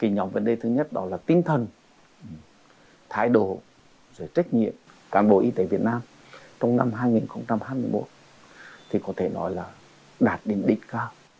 những vấn đề thứ nhất đó là tinh thần thái độ rồi trách nhiệm cán bộ y tế việt nam trong năm hai nghìn hai mươi một thì có thể nói là đạt đến đỉnh cao